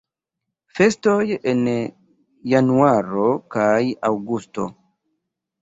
Festoj en januaro kaj aŭgusto.